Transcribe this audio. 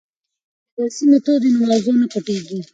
که درسي میتود وي نو موضوع نه پټیږي.